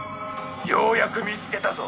「ようやく見つけたぞ」